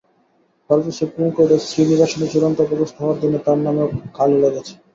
ভারতীয় সুপ্রিম কোর্টে শ্রীনিবাসনের চূড়ান্ত অপদস্থ হওয়ার দিনে তাঁর নামেও কালি লেগেছে।